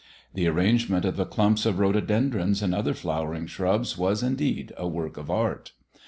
The arrangement of the clumps of rhododendrons and other flowering shrubs was, indeed, a work of art.